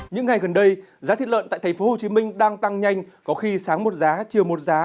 những ngày gần đây giá thịt lợn tại tp hcm đang tăng nhanh có khi sáng một giá chiều một giá